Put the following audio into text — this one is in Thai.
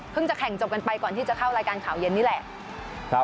จะแข่งจบกันไปก่อนที่จะเข้ารายการข่าวเย็นนี่แหละ